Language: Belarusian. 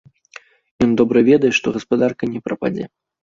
Ён добра ведае, што гаспадарка не прападзе.